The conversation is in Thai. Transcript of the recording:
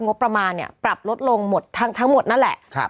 งบประมาณเนี่ยปรับลดลงหมดทั้งหมดนั่นแหละ